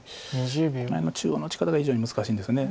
この辺の中央の打ち方が非常に難しいんですよね。